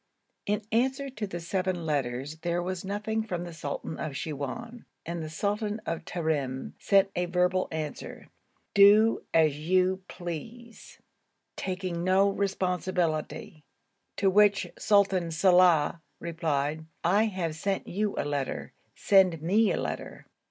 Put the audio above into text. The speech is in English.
In answer to the seven letters there was nothing from the sultan of Siwoun, and the sultan of Terim sent a verbal answer 'Do as you please,' taking no responsibility to which Sultan Salàh replied, 'I have sent you a letter, send me a letter.'